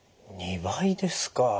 ２倍ですか。